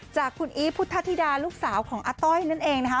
จากคุณอีฟพุทธธิดาลูกสาวของอาต้อยนั่นเองนะคะ